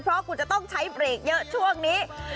เพราะคุณจะต้องใช้เบรกเยอะช่วงนี้